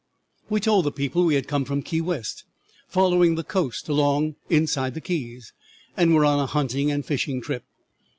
"'We told the people we had come from Key West, following the coast along inside the keys, and were on a hunting and fishing trip.